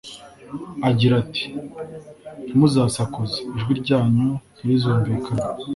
agira ati «ntimuzasakuze, ijwi ryanyu ntirizumvikane.